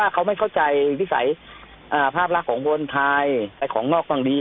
เขาไม่เข้าใจภาพลักษณ์ของคนไทย